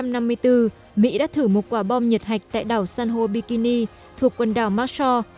năm một nghìn chín trăm năm mươi bốn mỹ đã thử một quả bom nhiệt hạch tại đảo sanho bikini thuộc quần đảo marshall